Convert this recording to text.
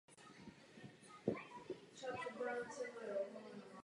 Obýval skalnaté a písečné pobřeží v karibské oblasti.